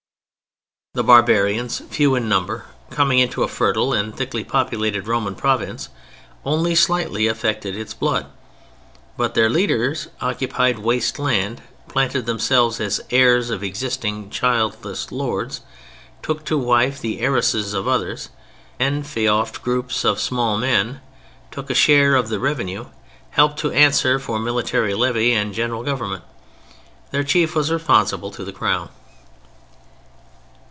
The barbarians, few in number, coming into a fertile and thickly populated Roman province, only slightly affected its blood, but their leaders occupied waste land, planted themselves as heirs of existing childless lords, took to wife the heiresses of others; enfeoffed groups of small men; took a share of the revenue; helped to answer for military levy and general government. Their chief was responsible to the crown.